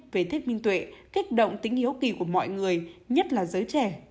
về thích minh tuệ kích động tính hiếu kỳ của mọi người nhất là giới trẻ